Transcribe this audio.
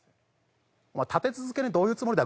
お前立て続けにどういうつもりだ？